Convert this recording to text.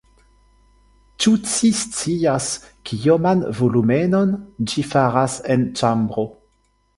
Ĉu ci scias, kioman volumenon ĝi faras en ĉambro?